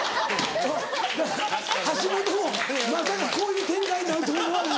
橋本もまさかこういう展開になると思わず。